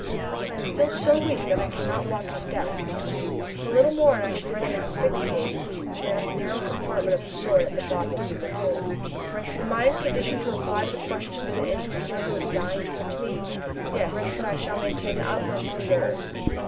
I am still so weak that I could not walk a step. A little more and I should have been asphyxiated in that narrow compartment of the Sword at the bottom of the lagoon. Am I in condition to reply to the questions that Engineer Serko is dying to put to me? Yes but I shall maintain the utmost reserve.